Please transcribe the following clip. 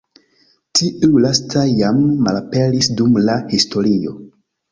Tiuj lastaj jam malaperis dum la historio.